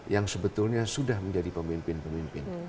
yang sebetulnya sudah menjadi pemimpin pemimpin